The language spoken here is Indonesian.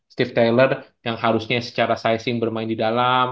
steve taylor yang harusnya secara sizing bermain di dalam